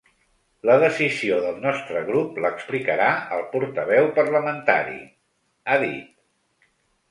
La decisió del nostre grup l’explicarà el portaveu parlamentari, ha dit.